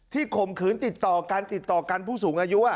ที่ขมขืนติดต่อกันผู้สูงอายุ